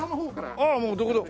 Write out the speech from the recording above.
ああもうどこでも。